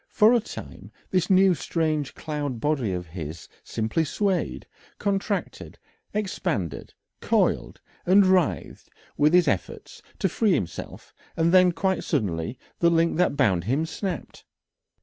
For a time this new strange cloud body of his simply swayed, contracted, expanded, coiled, and writhed with his efforts to free himself, and then quite suddenly the link that bound him snapped.